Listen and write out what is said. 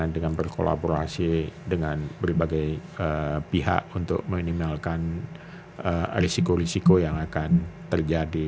dengan berkolaborasi dengan berbagai pihak untuk meminimalkan risiko risiko yang akan terjadi